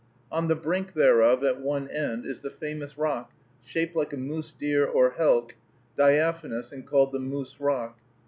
On the brink thereof, at one end, is the famous rock, shaped like a moose deer or helk, diaphanous, and called the Moose Rock."